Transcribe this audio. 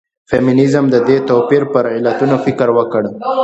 فيمنيزم د دې توپير پر علتونو فکر وکړ.